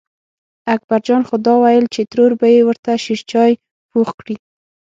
اکبر جان خو دا وېل چې ترور به یې ورته شېرچای پوخ کړي.